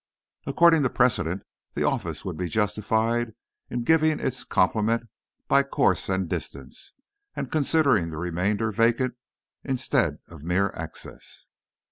According to precedent, the Office would be justified in giving it its complement by course and distance, and considering the remainder vacant instead of a mere excess.